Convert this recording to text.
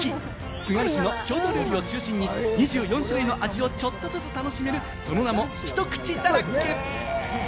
つがる市の郷土料理を中心に２４種類の味をちょっとずつ楽しめる、その名も「ひとくちだらけ」。